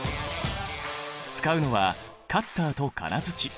使うのはカッターと金づち。